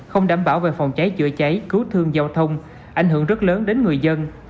không đảm bảo về phòng cháy chữa cháy cứu thương giao thông ảnh hưởng rất lớn đến người dân